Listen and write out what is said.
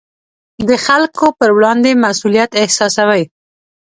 د خلکو پر وړاندې مسوولیت احساسوي.